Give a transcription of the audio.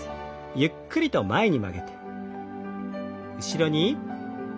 ゆっくりと前に曲げて。